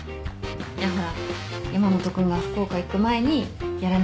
いやほら山本君が福岡行く前にやらなきゃいけないこと。